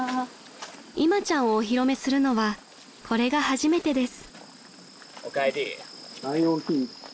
［いまちゃんをお披露目するのはこれが初めてです］